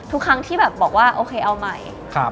ทุกครั้งที่แบบบอกว่าโอเคเอาใหม่